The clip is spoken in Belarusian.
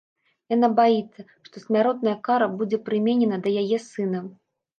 Яна баіцца, што смяротная кара будзе прыменена да яе сына.